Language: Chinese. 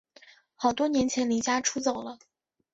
好多年前离家出走了